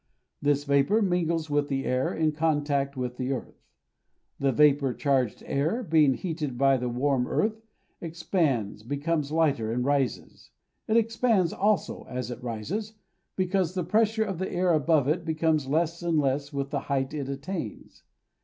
This vapour mingles with the air in contact with the earth. The vapour charged air, being heated by the warm earth, expands, becomes lighter, and rises. It expands also, as it rises, because the pressure of the air above it becomes less and less with the height it attains.